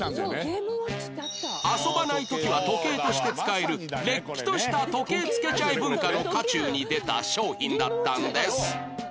遊ばない時は時計として使えるれっきとした時計付けちゃえ文化の渦中に出た商品だったんです